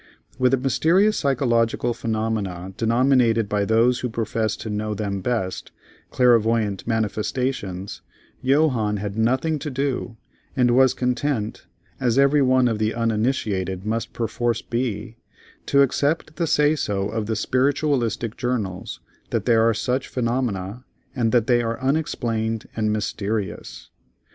With the mysterious psychological phenomena denominated by those who profess to know them best, "clairvoyant manifestations," Johannes had nothing to do, and was content, as every one of the uninitiated must perforce be, to accept the say so of the spiritualistic journals that there are such phenomena and that they are unexplained and mysterious.